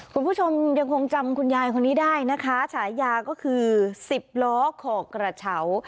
คุณผู้ชมยังคงจำคุณยายคนนี้ได้นะคะฉายาก็คือสิบล้อขอกระเฉา